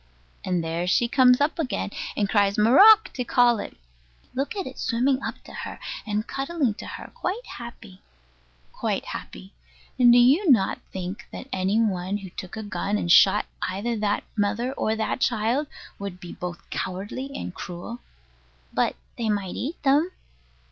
And there she comes up again, and cries "marrock" to call it. Look at it swimming up to her, and cuddling to her, quite happy. Quite happy. And do you not think that any one who took a gun and shot either that mother or that child would be both cowardly and cruel? But they might eat them.